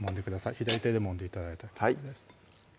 左手でもんで頂いたら結構です